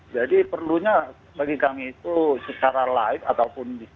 jadi perlunya bagi kami itu secara lain ataupun disitu